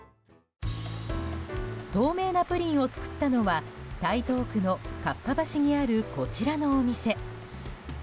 透明なプリンを作ったのは台東区のかっぱ橋にあるこちらのお店。